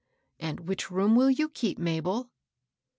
" And which room will you keep, Mabel